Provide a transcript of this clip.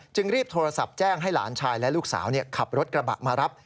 รีบโทรศัพท์แจ้งให้หลานชายและลูกสาวขับรถกระบะมารับ